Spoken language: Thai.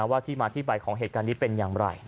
ว่าที่มาที่ไปของเหตุการณ์นี้เป็นอย่างไร